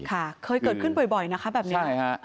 ค่ะเคยเกิดขึ้นบ่อยนะคะแบบนี้